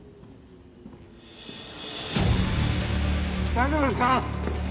大丈夫ですか！